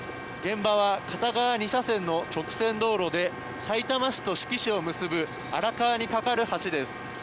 現場は片側２車線の直線道路でさいたま市と志木市を結ぶ荒川に架かる橋です。